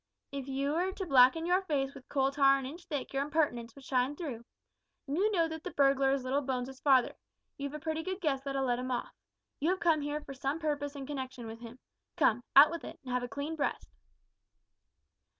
If you were to blacken your face with coal tar an inch thick your impertinence would shine through. You know that the burglar is little Bones's father; you've a pretty good guess that I let him off. You have come here for some purpose in connection with him. Come out with it, and make a clean breast."